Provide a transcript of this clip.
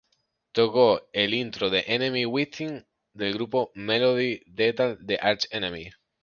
Tocó el intro de "Enemy Within" del grupo de melodic death metal Arch Enemy.